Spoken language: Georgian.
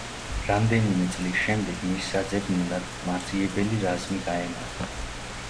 რამდენიმე წლის შემდეგ მის საძებნელად მაძიებელი რაზმი გაემართა.